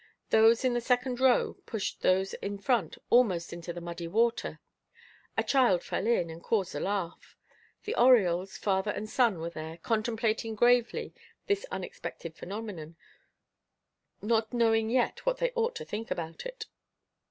Those in the second row pushed those in front almost into the muddy water. A child fell in, and caused a laugh. The Oriols, father and son, were there, contemplating gravely this unexpected phenomenon, not knowing yet what they ought to think about it.